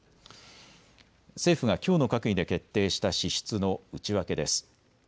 政府がきょうの閣議で決定した支出の内訳です。